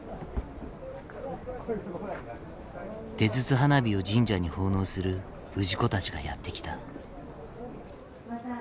手筒花火を神社に奉納する氏子たちがやって来た。